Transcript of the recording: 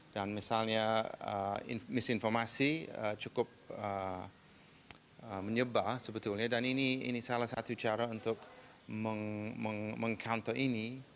dan misalnya misinformasi cukup menyebar sebetulnya dan ini salah satu cara untuk meng counter ini